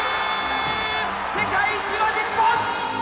世界一は日本！